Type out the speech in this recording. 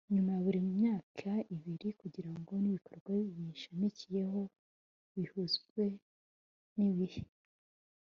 nyuma ya buri myaka ibiri kugirango n'ibikorwa biyishamikiyeho bihuzwe n'ibihe.